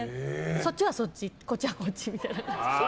そっちはそっちこっちはこっちみたいな。